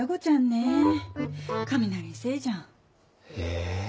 え。